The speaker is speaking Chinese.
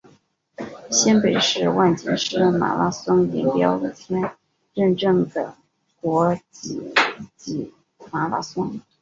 新北市万金石马拉松银标签认证的国际级马拉松。